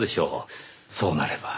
そうなれば。